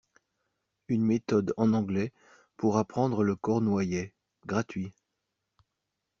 Une méthode en anglais pour apprendre le cornouaillais, gratuit.